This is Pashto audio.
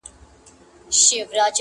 هسي نه زړه مي د هیلو مقبره سي,